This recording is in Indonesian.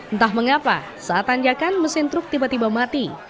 entah mengapa saat tanjakan mesin truk tiba tiba mati